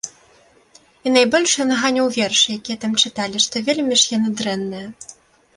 І найбольш ён ганіў вершы, якія там чыталі, што вельмі ж яны дрэнныя.